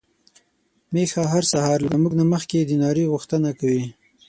ميښه هر سهار له موږ نه مخکې د ناري غوښتنه کوي.